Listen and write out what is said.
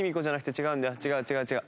違う違う違う。